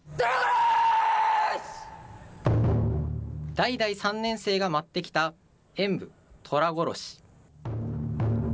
代々３年生が舞ってきた演舞、虎殺し。